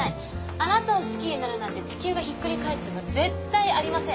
あなたを好きになるなんて地球がひっくり返っても絶対ありません！